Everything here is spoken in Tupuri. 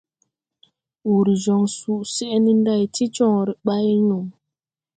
Wùr jɔŋ susɛʼ ne nday ti jɔŋre ɓay no.